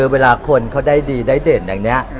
เวลาคนเขาได้ดีได้เด่นอย่างนี้